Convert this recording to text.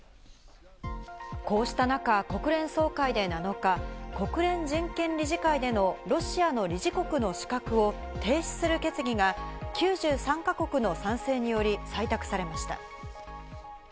こうした中、国連総会で７日、国連人権理事会でのロシアの理事国の資格を停止する決議が９３か国の賛成により採択されました。